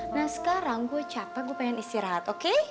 nah sekarang gue capek gue pengen istirahat oke